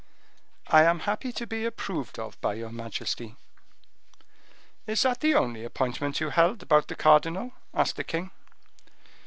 "I am happy to be approved of by your majesty." "Is that the only appointment you held about the cardinal?" asked the king.